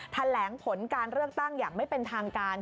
แถลงผลการเลือกตั้งอย่างไม่เป็นทางการ